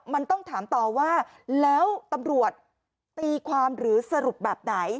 มันต้องถามต่อว่าแล้วตำรวจตีความหรือสรุปแบบไหน